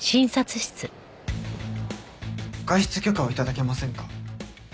外出許可を頂けませんか？